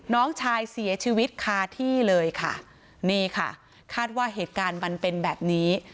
น้องชายเสียชีวิตคาที่เลยค่ะนี่ค่ะคาดว่าเหตุการณ์มันเป็นแบบนี้